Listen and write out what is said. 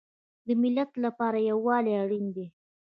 د ملت لپاره یووالی اړین دی